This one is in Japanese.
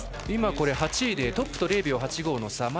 今、８位でトップと８秒０５の差。